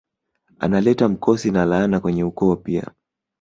Analeta mkosi na laana kwenye ukoo pia